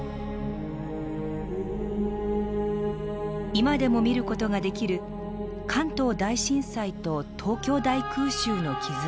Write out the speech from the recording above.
今でも見る事ができる関東大震災と東京大空襲の傷跡。